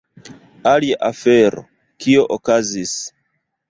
Alia afero, kio okazis: